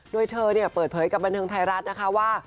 โดยเธอเปิดเผยกับบันเทิงไทยรัฐนะคะว่า